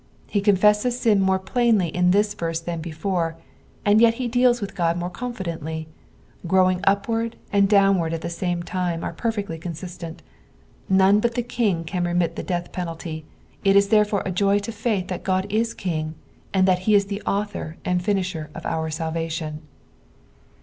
He confesses sin more plainly in this verse than before, and yet he deals with God more confidently : growing upward and downward at the sumo time are perfectly conaistent. None but the King can remit the death penalty, it is therefore a joy to fiiith that Ood ia Ein;;, and that he is the authiir and finisher of our salvation.